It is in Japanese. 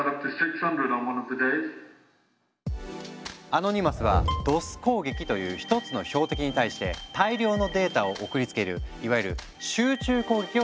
アノニマスは「ＤｏＳ攻撃」という１つの標的に対して大量のデータを送りつけるいわゆる集中攻撃を仕掛けたんだ。